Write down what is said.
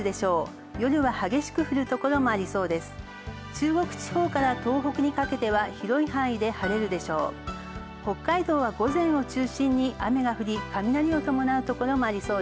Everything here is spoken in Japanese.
中国地方から東北にかけては、広い範囲で晴れるでしょう。